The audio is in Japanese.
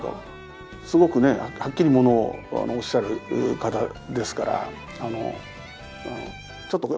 すごくねはっきりものをおっしゃる方ですから。